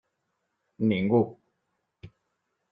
Ningú.